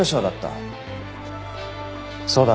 そうだろ？